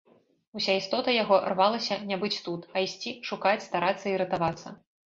Уся істота яго рвалася не быць тут, а ісці, шукаць, старацца і ратавацца.